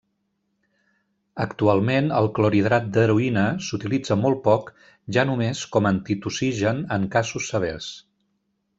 Actualment el clorhidrat d'heroïna s'utilitza molt poc ja només com antitussigen en casos severs.